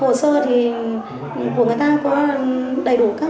hồ sơ thì của người ta có đầy đủ các